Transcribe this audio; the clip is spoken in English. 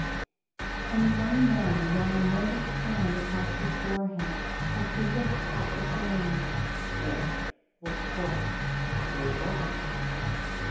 and the young man ran a nervous hand across his forehead as the wick caught the flame. "Dad! What's the trouble? Where's mother?